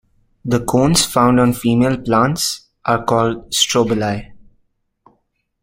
The cones found on female plants are called strobili.